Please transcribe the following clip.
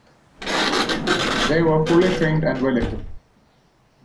They were fully trained and well-equipped.